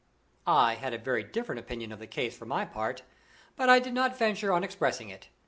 I had a very different opinion of the case for my own part, but I did not venture on expressing it.